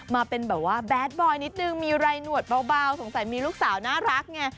มาเป็นแบบว่าแบดบอยนิดนึงมีไรหนวดเบาสงสัยมีลูกสาวน่ารักไง